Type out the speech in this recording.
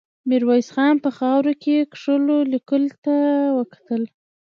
ميرويس خان په خاورو کې کښلو ليکو ته وکتل.